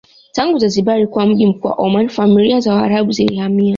Tangu Zanzibar kuwa mji mkuu wa Omani familia za waarabu zilihamia